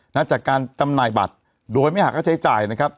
จากการจำหน่ายบัตรโดยไม่หักค่าใช้จ่ายนะครับ